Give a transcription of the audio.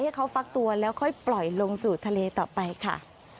ให้เขาฟักตัวแล้วค่อยปล่อยลงสู่ทะเลต่อไปค่ะ